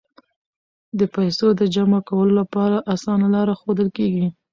د پیسو د جمع کولو لپاره اسانه لارې ښودل کیږي.